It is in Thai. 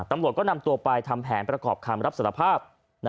ตำรวจก็นำตัวไปทำแผนประกอบคำรับสารภาพ